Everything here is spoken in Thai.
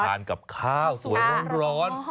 ต้องกินกับข้าวสวยร้อน